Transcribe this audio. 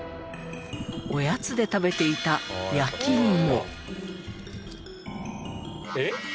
おやつで食べていた「えっ？」